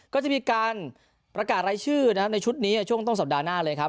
ก็จะมีการประกาศรายชื่อนะครับในชุดนี้ช่วงต้นสัปดาห์หน้าเลยครับ